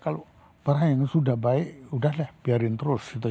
kalau barang ini sudah baik udah lah biarin terus gitu ya